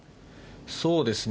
そうですね。